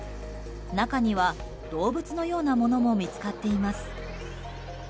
中には動物のようなものも見つかっています。